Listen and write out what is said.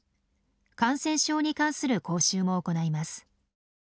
感染症に関する講習も行います。